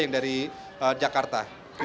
yang dari jakarta